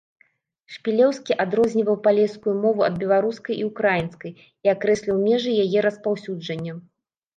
Шпілеўскі адрозніваў палескую мову ад беларускай і ўкраінскай і акрэсліў межы яе распаўсюджання.